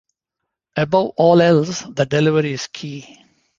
Above all else the delivery is key.